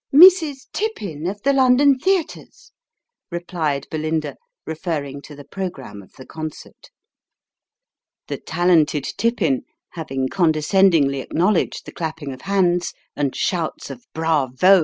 " Mrs. Tippin, of the London theatres," replied Belinda, referring to the programme of the concert. The talented Tippin having condescendingly acknowledged the clapping of hands, and shouts of " bravo